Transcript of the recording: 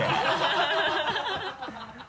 ハハハ